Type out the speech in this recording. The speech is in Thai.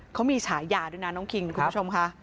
เขามีฉายาด้วยนะน้องคิงคุณผู้ชมค่ะ